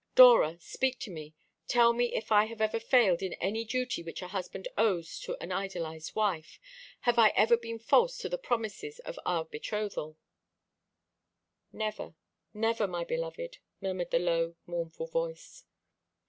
Dora, speak to me; tell me if I have ever failed in any duty which a husband owes to an idolised wife. Have I ever been false to the promises of our betrothal?" "Never; never, my beloved," murmured the low mournful voice.